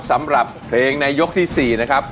สำหรับเพลงในยกที่๔นะครับ